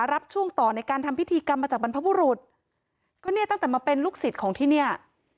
รับช่วงต่อในการทำพิธีกรรมมาจากบรรพบุรุษก็เนี่ยตั้งแต่มาเป็นลูกศิษย์ของที่เนี่ย